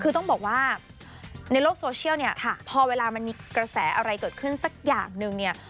คือต้องบอกว่าในโลกโซเชียลเนี่ยพอเวลามันมีกระแสอะไรเกิดขึ้นสักอย่างนึงเนี่ย